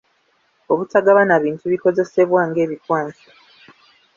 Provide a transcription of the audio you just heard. Obutagabana bintu bikozesebwa ng'ebikwanso.